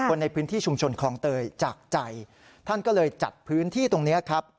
คนในพื้นที่ชุมชนคลองเตยจากใจท่านก็เลยจัดพื้นที่ตรงนี้ครับ